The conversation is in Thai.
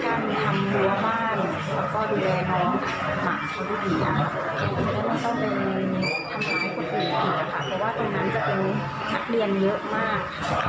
แต่ว่าตรงนั้นจะมีถัดเรียนเยอะมาก